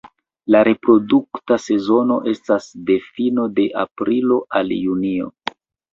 La reprodukta sezono estas de fino de aprilo al junio.